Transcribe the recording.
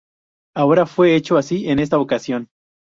Ahora fue hecho así en esta ocasión.